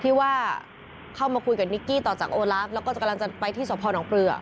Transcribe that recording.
ที่ว่าเข้ามาคุยกับนิกกี้ต่อจากโอลาฟแล้วก็กำลังจะไปที่สพนเปลือ